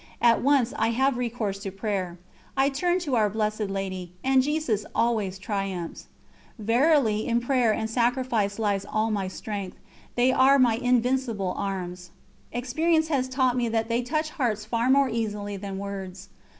At once I have recourse to prayer, I turn to Our Blessed Lady, and Jesus always triumphs. Verily in prayer and sacrifice lies all my strength, they are my invincible arms; experience has taught me that they touch hearts far more easily than words.